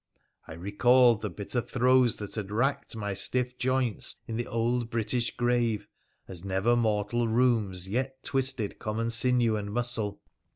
I recalled the bitter throes that had wracked my stiff joints in the old British grave as never mortal rheums yet twisted common sinew and muscle.